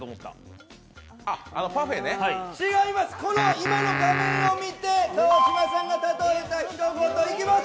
今の画面を見て川島さんが例えたひと言。